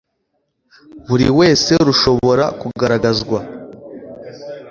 buri wese rushobora kugaragazwa